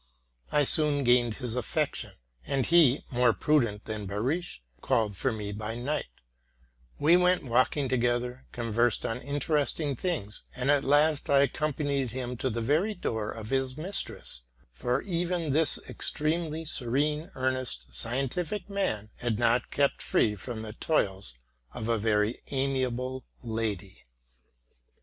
I soon gained his affection ; and he, more prudent than Behrisch, called for me by night: we went walking together, conversed on interesting things, and at last I accompanied him to the very door of his mistress ; for even RELATING TO MY LIFE. 2TT this externally severe, earnest, scientific man had not kept free from the toils of a very amiable lady.